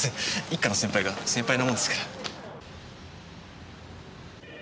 一課の先輩が先輩なもんですから。